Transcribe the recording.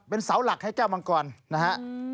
เป็นเสาหลักให้เจ้ามังกรนะฮะ